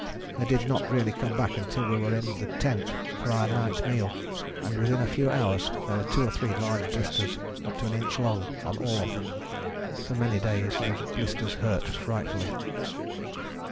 They did not really come back until we were in the tent for our night meal, and within a few hours there were two or three large blisters, up to an inch long, on all of them. For many days those blisters hurt frightfully.